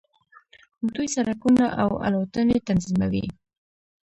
دوی سړکونه او الوتنې تنظیموي.